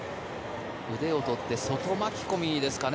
腕をとって外巻き込みですかね。